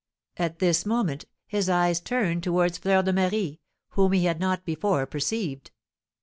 At this moment his eyes turned towards Fleur de Marie, whom he had not before perceived.